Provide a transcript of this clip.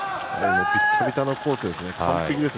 ビッタビタのコースです。